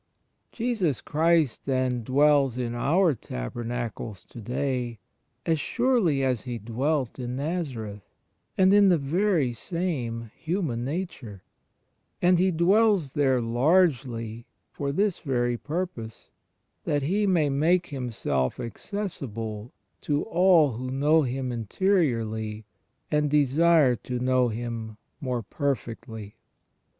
Jesus Christ, then, dwells in our tabernacles to day as surely as He dwelt in Nazareth, and in the very same Human Nature; and He dwells there, largely, for this very purpose — that He may make Himself accessible to all who know Him interiorly and desire to know Him more perfectly.